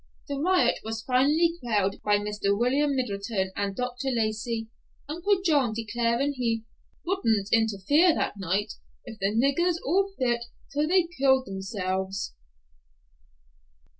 The riot was finally quelled by Mr. William Middleton and Dr. Lacey, Uncle Joshua declaring he "wouldn't interfere that night if the niggers all fit till they killed themselves."